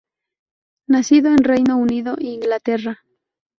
Nacido en Reino Unido, Inglaterra.